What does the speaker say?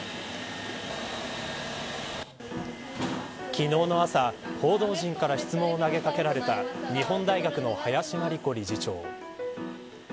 昨日の朝、報道陣から質問を投げかけられた日本大学の林真理子理事長。